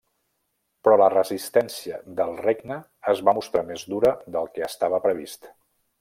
Però la resistència del regne es va mostrar més dura del que estava previst.